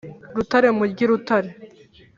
rutare mu ry’i rutare